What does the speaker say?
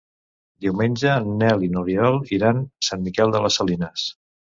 Diumenge en Nel i n'Oriol iran a Sant Miquel de les Salines.